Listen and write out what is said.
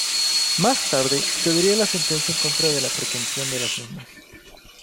Más tarde se daría la sentencia en contra de la pretensión de las mismas.